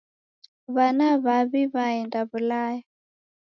W'ana w'aw'i w'aenda w'ulaya.